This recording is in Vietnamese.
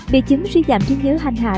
bị chứng suy giảm trí nhớ hành hạ